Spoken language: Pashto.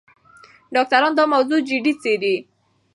ډاکټران دا موضوع جدي څېړي.